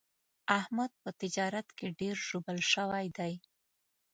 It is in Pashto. احمد په تجارت کې ډېر ژوبل شوی دی.